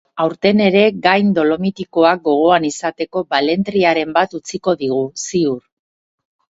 Aurten ere gain dolomitikoak gogoan izateko balentriaren bat utziko digu, ziur.